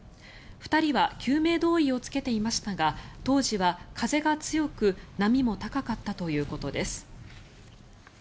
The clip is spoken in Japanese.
２人は救命胴衣を着けていましたが当時は風が強く波も高かったということです。